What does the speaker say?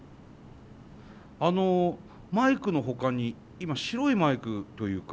マイクのほかに今白いマイクというか。